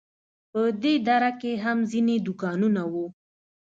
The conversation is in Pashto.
په دې دره کې هم ځینې دوکانونه وو.